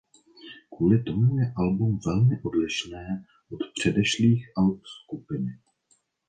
Kvůli tomu je album velmi odlišné od předešlých alb skupiny.